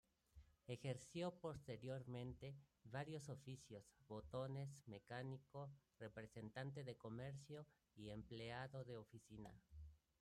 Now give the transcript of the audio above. Ejerció posteriormente varios oficios: botones, mecánico, representante de comercio y empleado de oficina.